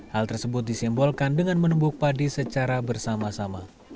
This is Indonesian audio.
hal tersebut disimbolkan dengan menumbuk padi secara bersama sama